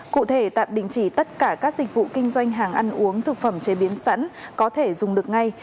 cụ thể tạm đình chỉ tất cả các dịch vụ kinh doanh hàng ăn uống thực phẩm chế biến sẵn có thể dùng được ngay